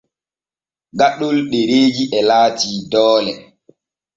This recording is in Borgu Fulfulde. Gaɗol ɗereeji e laati doole.